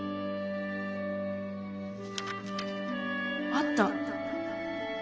あった！